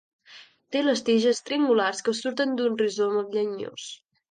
Té les tiges triangulars que surten d'un rizoma llenyós.